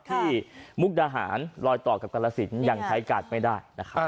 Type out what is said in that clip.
มุกดาหารลอยต่อกับกรสินยังใช้การไม่ได้นะครับ